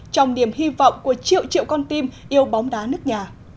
trong niềm hy vọng của triệu triệu con tim yêu bóng đá nước nhà